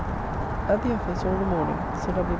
At the office all the morning, Sir W.